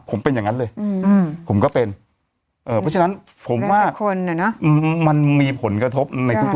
ผมเป็นอย่างนั้นเลยผมก็เป็นเพราะฉะนั้นผมว่าคนอ่ะนะมันมีผลกระทบในทุก